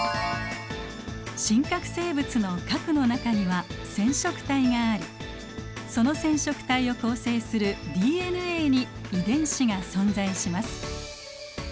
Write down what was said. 真核生物の核の中には染色体がありその染色体を構成するＤＮＡに遺伝子が存在します。